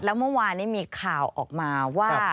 แล้วเมื่อวานนี้มีข่าวออกมาว่า